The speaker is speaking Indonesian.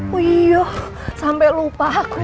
wiyoh sampe lupa aku